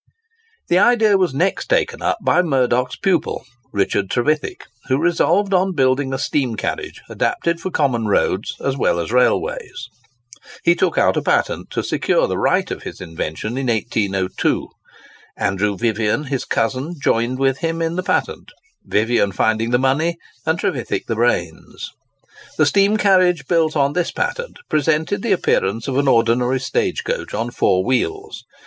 The idea was next taken up by Murdock's pupil, Richard Trevithick, who resolved on building a steam carriage adapted for common roads as well as railways. He took out a patent to secure the right of his invention in 1802. Andrew Vivian, his cousin, joined with him in the patent—Vivian finding the money, and Trevithick the brains. The steam carriage built on this patent presented the appearance of an ordinary stage coach on four wheels.